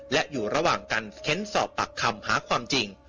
และอยู่ระหว่างการเค้นสอบปากคำหาความจริง